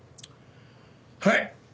はい。